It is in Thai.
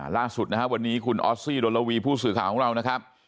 ล่าสุดนะครับวันนี้คุณออสซี่ดนรวีผู้สื่อข่าวของเรานะครับ